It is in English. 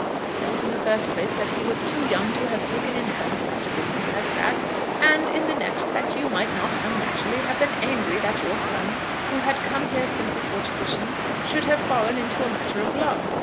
I felt, in the first place, that he was too young to have taken in hand such a business as that; and, in the next, that you might not unnaturally have been angry that your son, who had come here simply for tuition, should have fallen into a matter of love.